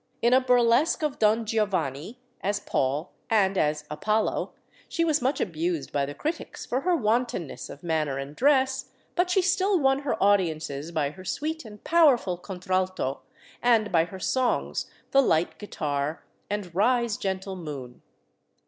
In a burlesque of "Don Giovanni," as "Paul" and as "Apollo," she was much abused by the critics for her wantonness of manner and dress, but she still won her audiences by her sweet and powerful contralto, and by her songs, "The Light Guitar" and "Rise, gentle Moon."